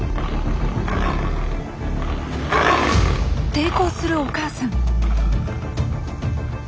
抵抗するお母さん。